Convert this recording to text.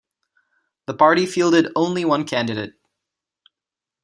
The party fielded only one candidate.